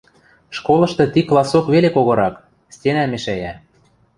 — Школышты ти классок веле когорак, стенӓ мешӓйӓ.